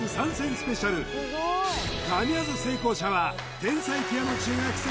ＳＰ神業成功者は天才ピアノ中学生